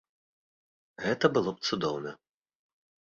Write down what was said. Гэта было б цудоўна.